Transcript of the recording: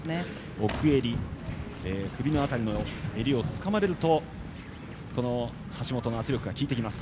奥襟首の辺りの襟をつかまれるとこの橋本の圧力が効いてきます。